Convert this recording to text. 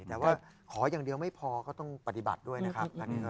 แต่ว่าขออย่างเดียวไม่พอก็ต้องปฏิบัติด้วยนะครับ